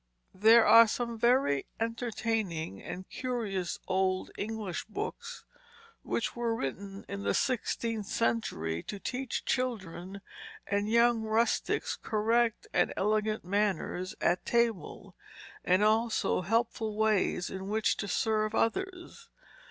There are some very entertaining and curious old English books which were written in the sixteenth century to teach children and young rustics correct and elegant manners at the table, and also helpful ways in which to serve others.